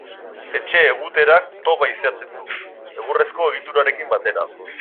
Etxe-eguterak toba izaten du, egurrezko egiturarekin batera.